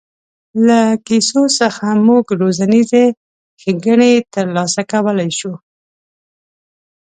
له کیسو څخه موږ روزنیزې ښېګڼې تر لاسه کولای شو.